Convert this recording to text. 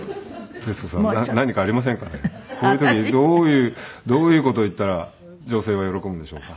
こういう時にどういう事を言ったら女性は喜ぶんでしょうか？